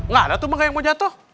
gak ada tuh bangga yang mau jatuh